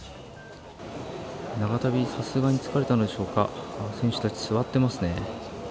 長旅、さすがに疲れたのでしょうか、選手たち座っていますね。